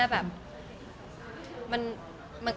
แฟนคลับของคุณไม่ควรเราอะไรไง